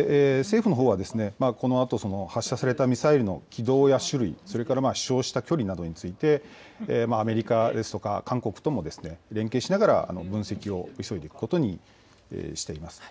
政府のほうはこのあと発射されたミサイルの軌道や種類、飛しょうした距離などについてアメリカや韓国とも連携しながら分析を急いでいくことにしています。